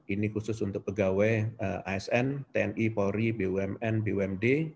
ini khusus untuk pegawai asn tni polri bumn bumd